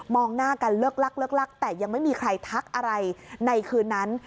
มองหน้ากันเลิกแต่ยังไม่มีใครทักอะไรในคืนนั้น